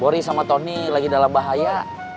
bori sama tony lagi dalam bahaya